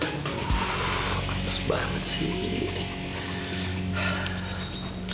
aduh amas banget sih